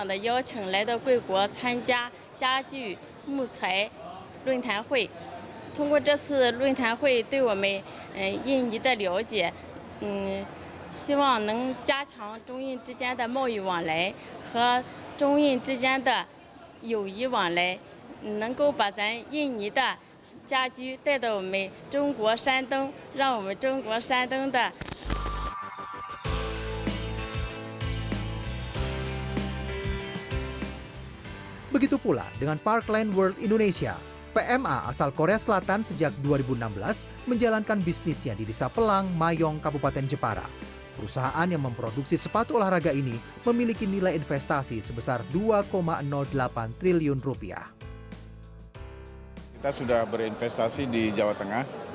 terima kasih kepada pertemuan sistem pertemuan indonesia dan pertemuan pertemuan jawa nara yang mengizinkan saya datang ke negara ini untuk bergabung di pertemuan pertemuan pertemuan pertemuan